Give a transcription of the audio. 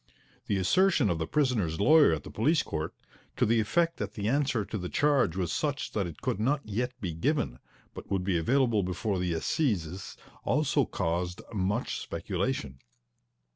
The assertion of the prisoner's lawyer at the police court, to the effect that the answer to the charge was such that it could not yet be given, but would be available before the Assizes, also caused much speculation.